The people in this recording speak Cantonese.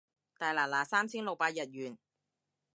大拿拿三千六百日圓